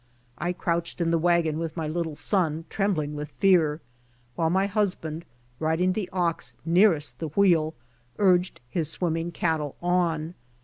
I crouched in the wagon with my little son trembling with fear, while my husband, riding the ox nearest the wheel, urged his swimming cattle on.